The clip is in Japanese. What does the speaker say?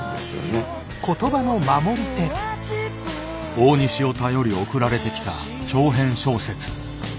大西を頼り送られてきた長編小説。